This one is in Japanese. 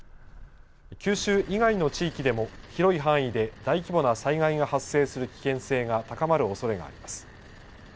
九州以外の地域でも広い範囲で大規模な災害が発生する危険性が高まるおそれがあります。